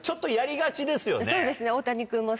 そうですね。